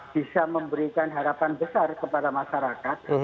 bisa memberikan harapan besar kepada masyarakat